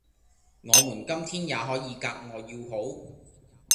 我們今天也可以格外要好，